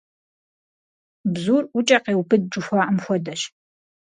Бзур ӀукӀэ къеубыд, жыхуаӀэм хуэдэщ.